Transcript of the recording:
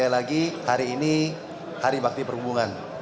sekali lagi hari ini hari bakti perhubungan